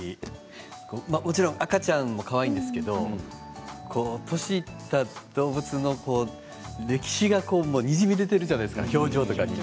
もちろん赤ちゃんもかわいいんですけど年いった動物の歴史がにじみ出てるじゃないですか表情とかに。